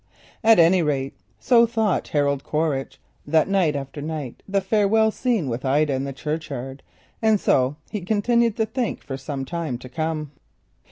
At any rate so thought Harold Quaritch on that night of the farewell scene with Ida in the churchyard, and so he continued to think for some time to come.